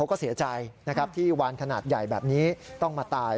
ก็เสียใจนะครับที่วานขนาดใหญ่แบบนี้ต้องมาตาย